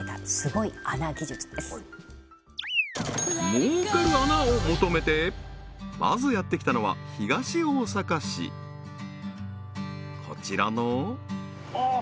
はいを求めてまずやってきたのは東大阪市こちらのああ